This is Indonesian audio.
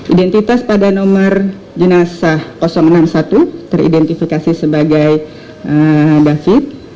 identitas pada nomor jenazah enam puluh satu teridentifikasi sebagai david